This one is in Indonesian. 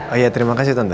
oh iya terima kasih tante